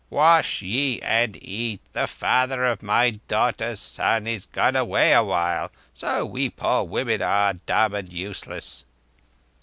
Wash ye and eat. The father of my daughter's son is gone away awhile. So we poor women are dumb and useless."